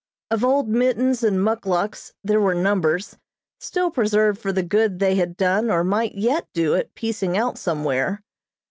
Of old mittens and muckluks there were numbers, still preserved for the good they had done or might yet do at piecing out somewhere.